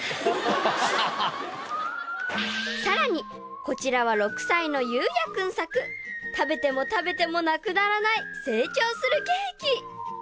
［さらにこちらは６歳の侑也君作食べても食べてもなくならない成長するケーキ］